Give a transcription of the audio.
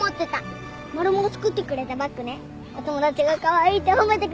マルモが作ってくれたバッグねお友達がカワイイって褒めてくれたよ。